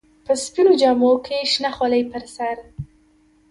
په سپينو جامو کښې شنه خولۍ پر سر.